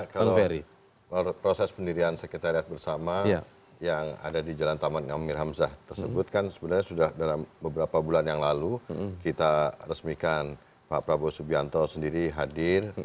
kalau proses pendirian sekretariat bersama yang ada di jalan taman amir hamzah tersebut kan sebenarnya sudah dalam beberapa bulan yang lalu kita resmikan pak prabowo subianto sendiri hadir